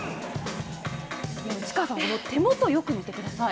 内川さん、手元をよく見てください。